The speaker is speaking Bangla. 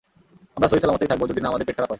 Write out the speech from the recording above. আমরা সহিসালামতেই থাকব যদি না আমাদের পেট খারাপ হয়।